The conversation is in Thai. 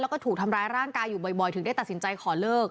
แล้วก็ถูกทำร้ายร่างกายอยู่บ่อยถึงได้ตัดสินใจขอเลิก